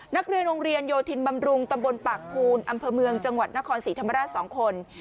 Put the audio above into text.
นักเรียนโรงเรียนโยธินบำรุงตำบลปากภูนอำเภอเมืองจังหวัดนครศรีธรรมราช๒คน